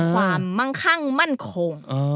ความมั่งคั่งมั่นคง